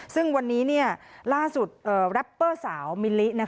ซึ่งวันนี้ล่าสุดแรปเปอร์สาวมิลลิ